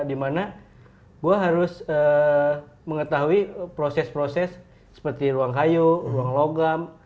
dimana gue harus mengetahui proses proses seperti ruang kayu ruang logam